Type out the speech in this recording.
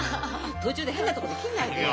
途中で変なとこで切んないでよ。